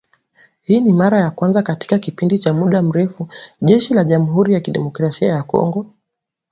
Hii ni mara ya kwanza katika kipindi cha muda mrefu, Jeshi la jamhuri ya kidemokrasia ya Kongo